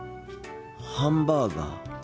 ハンバーガー。